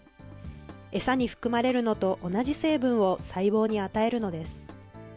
餌に含まれるのと同じ成分を細胞に与えるのです。